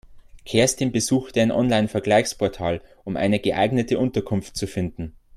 Kerstin besuchte ein Online-Vergleichsportal, um eine geeignete Unterkunft zu finden.